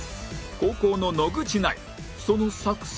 後攻の野口ナインその作戦は